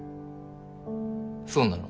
そうなの？